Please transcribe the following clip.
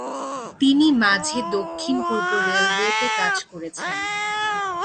তিনি মাঝে দক্ষিণ পূর্ব রেলওয়েতে কাজ করেছেন।